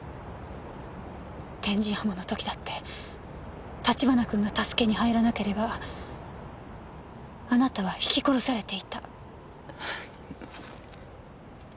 天神浜の時だって立花君が助けに入らなければあなたはひき殺されていた。